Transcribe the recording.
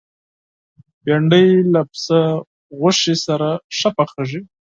بېنډۍ له پسه غوښې سره ښه پخېږي